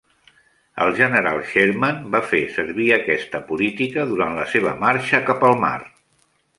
El general Sherman va fer servir aquesta política durant la seva marxa cap al mar.